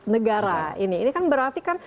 negara ini ini kan berarti kan